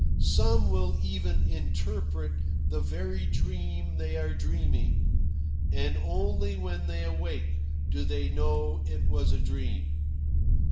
Some will even interpret the very dream they are dreaming; and only when they awake do they know it was a dream....